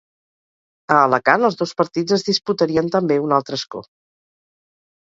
A Alacant els dos partits es disputarien també un altre escó.